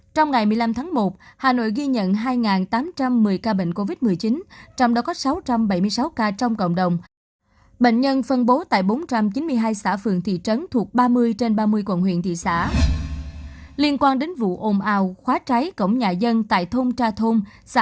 trong ngày một mươi năm tháng một hà nội ghi nhận hai tám trăm một mươi ca bệnh covid một mươi chín trong đó có sáu trăm bảy mươi sáu ca trong cộng đồng